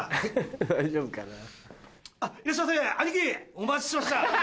お待ちしてました！